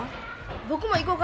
僕も行こか？